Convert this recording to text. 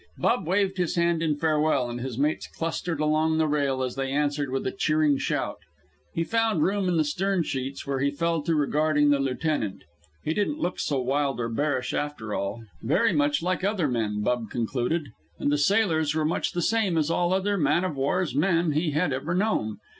Bub waved his hand in farewell, and his mates clustered along the rail as they answered with a cheering shout. He found room in the stern sheets, where he fell to regarding the lieutenant. He didn't look so wild or bearish, after all very much like other men, Bub concluded, and the sailors were much the same as all other man of war's men he had ever known.